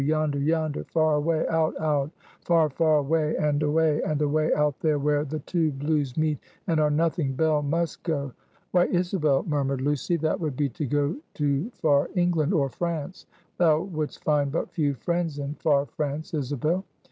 yonder, yonder! far away out, out! far, far away, and away, and away, out there! where the two blues meet, and are nothing Bell must go!" "Why, Isabel," murmured Lucy, "that would be to go to far England or France; thou wouldst find but few friends in far France, Isabel."